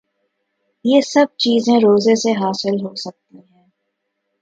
یہ سب چیزیں روزے سے حاصل ہو سکتی ہیں